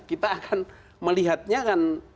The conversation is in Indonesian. kita akan melihatnya kan